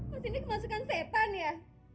mas ini kemasukan setan ya